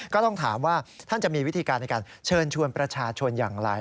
ก็ต้องถามว่าท่านจะมีวิธีการในการเชิญชวนประชาชนอย่างไร